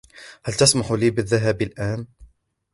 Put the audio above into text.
هل تسمح لي بالذهاب الآن ؟